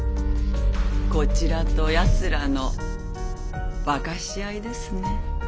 こちらとやつらの化かし合いですね。